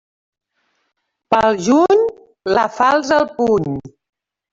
Pel juny, la falç al puny.